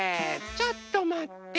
ちょっとまって。